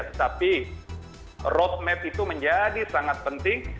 tetapi road map itu menjadi sangat penting